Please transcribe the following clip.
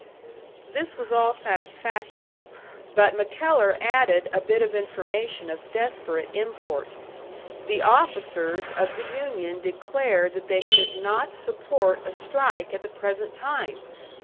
This was all satisfactory; but MacKellar added a bit of information of desperate import the officers of the union declared that they could not support a strike at the present time!